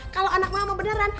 kalau anak mama beneran